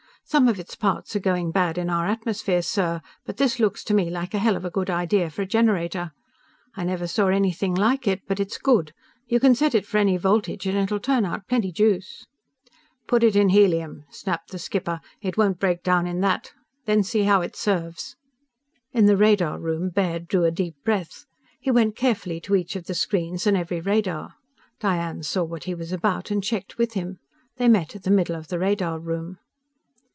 Some of its parts are going bad in our atmosphere, sir, but this looks to me like a hell of a good idea for a generator! I never saw anything like it, but it's good! You can set it for any voltage and it'll turn out plenty juice!_" "Put it in helium," snapped the skipper. "It won't break down in that! Then see how it serves!" In the radar room, Baird drew a deep breath. He went carefully to each of the screens and every radar. Diane saw what he was about, and checked with him. They met at the middle of the radar room.